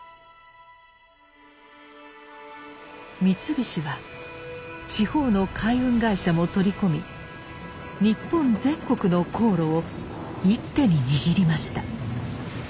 三菱は地方の海運会社も取り込み日本全国の航路を一手に握りました。